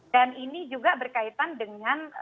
dan ini juga berkaitan dengan